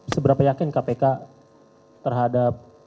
seberapa yakin kpk terhadap